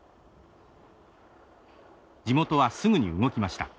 地元はすぐに動きました。